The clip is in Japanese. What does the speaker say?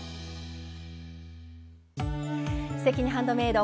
「すてきにハンドメイド」